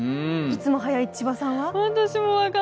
いつも早い千葉さんは？